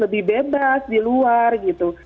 lebih bebas di luar gitu